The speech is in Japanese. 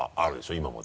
今まで。